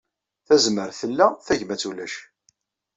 Tazmert tella, tagmatt ulac.